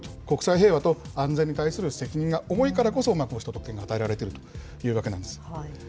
国際平和と安全に対する責任が重いからこそ、こうした特権が与えられているというわけなんです。